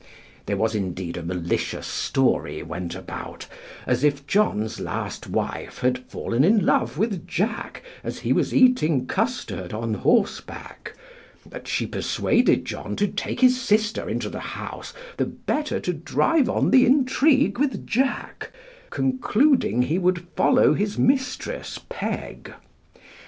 There was indeed a malicious story went about, as if John's last wife had fallen in love with Jack as he was eating custard on horseback; that she persuaded John to take his sister into the house the better to drive on the intrigue with Jack, concluding he would follow his mistress Peg.